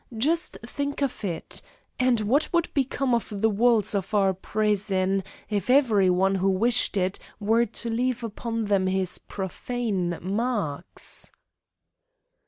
Just think of it! And what would become of the walls of our prison if every one who wished it were to leave upon them his profane marks?"